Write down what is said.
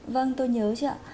vâng tôi nhớ chứ ạ